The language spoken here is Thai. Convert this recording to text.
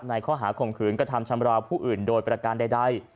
ข้อหาข่มขืนกระทำชำราวผู้อื่นโดยประการใด